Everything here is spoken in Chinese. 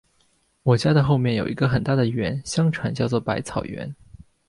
我家的后面有一个很大的园，相传叫作百草园